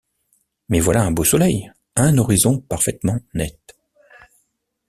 Mais voilà un beau soleil, un horizon parfaitement net.